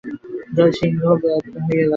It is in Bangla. জয়সিংহ বিদায় হইয়া গেলেন।